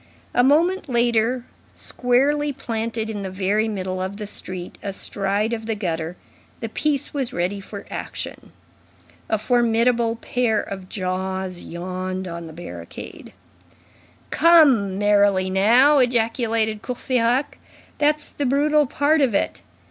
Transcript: A moment later, squarely planted in the very middle of the street, astride of the gutter, the piece was ready for action. A formidable pair of jaws yawned on the barricade. "Come, merrily now!" ejaculated Courfeyrac. "That's the brutal part of it.